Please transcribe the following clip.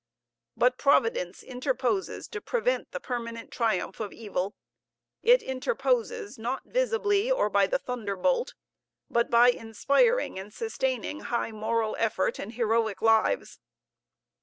"But Providence interposes to prevent the permanent triumph of evil. It interposes, not visibly or by the thunderbolt, but by inspiring and sustaining high moral effort and heroic lives.